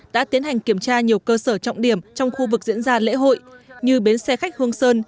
đã tiến hành kiểm tra nhiều cơ sở trọng điểm trong khu vực diễn ra lễ hội như bến xe khách hương sơn